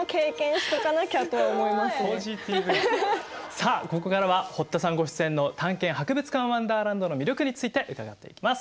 さあここからは堀田さんご出演の「探検！博物館ワンダーランド」の魅力について伺っていきます。